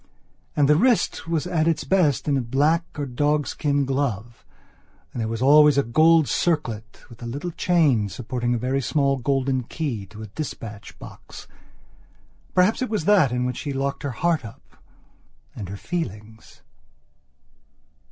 And the wrist was at its best in a black or a dog skin glove and there was always a gold circlet with a little chain supporting a very small golden key to a dispatch box. Perhaps it was that in which she locked up her heart and her feelings.